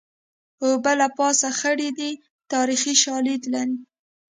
اوبه له پاسه خړې دي تاریخي شالید لري